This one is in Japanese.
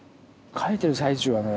書いてる最中はね